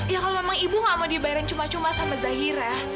ya kalau memang ibu gak mau dibayarin cuma cuma sama zahira